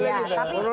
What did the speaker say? sudah sudah gitu loh